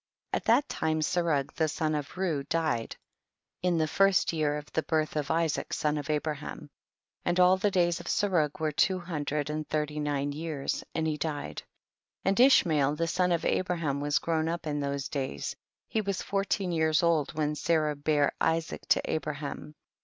9. At that time Serug the son of Reu died, in the first year of the birth of Isaac son of Abraham. 10. And all the days of Serug were two hundred and thirty nine years, and he died. 11. And Ishmael the son of Abra ham was grown up in those days ; he was fourteen years old when Sa rah bare Isaac to Abraham.